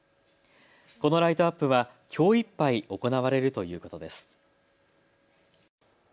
このライトアップはきょういっぱい行われるということです。